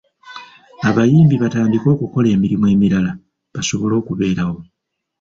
Abayimbi batandike okukola emirimu emirala basobole okubeerawo.